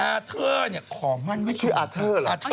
อาเทอร์เนี่ยขอมั่นว่าชื่ออาเทอร์เหรอ